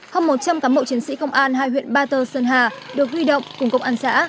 hơn một trăm linh cán bộ chiến sĩ công an hai huyện ba tơ sơn hà được huy động cùng công an xã